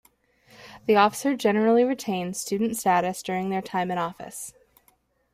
The officer generally retains student status during their time in office.